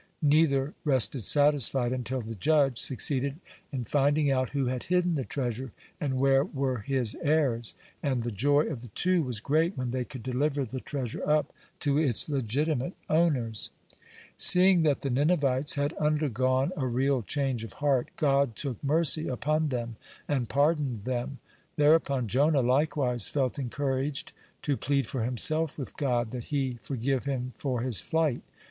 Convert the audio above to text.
Neither rested satisfied until the judge succeeded in finding out who had hidden the treasure and where were his heirs, and the joy of the two was great when they could deliver the treasure up to its legitimate owners. (35) Seeing that the Ninevites had undergone a real change of heart, God took mercy upon them, and pardoned them. Thereupon Jonah likewise felt encouraged to plead for himself with God, that He forgive him for his flight.